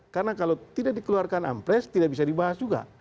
karena kalau tidak dikeluarkan ampres tidak bisa dibahas juga